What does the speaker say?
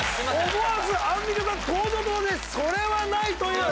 思わずアンミカさん登場と同時でそれはない！という。